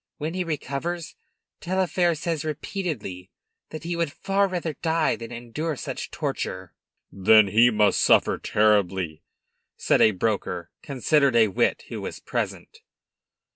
When he recovers, Taillefer says repeatedly that he would far rather die than endure such torture." "Then he must suffer terribly!" said a broker, considered a wit, who was present.